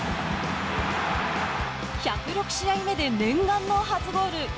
１０６試合目で念願の初ゴール。